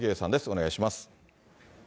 お願いします。